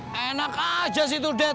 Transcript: wah enak aja sih itu dad